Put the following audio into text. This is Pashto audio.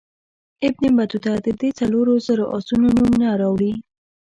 ابن بطوطه د دې څلورو زرو آسونو نوم نه راوړي.